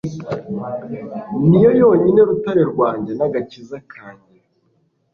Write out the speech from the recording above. Ni yo yonyine rutare rwanjye n’agakiza kanjye